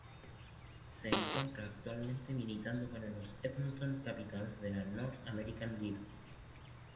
Se encuentra actualmente militando para los Edmonton Capitals de la North American League.